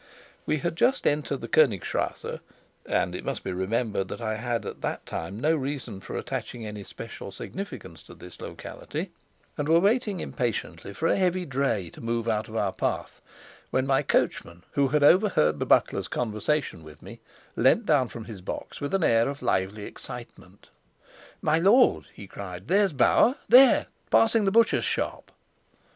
We had just entered the Konigstrasse (and it must be remembered that I had at that time no reason for attaching any special significance to this locality), and were waiting impatiently for a heavy dray to move out of our path, when my coachman, who had overheard the butler's conversation with me, leant down from his box with an air of lively excitement. "My lord," he cried, "there's Bauer there, passing the butcher's shop!"